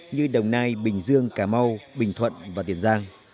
như đồng nai bình dương cà mau bình thuận và tiền giang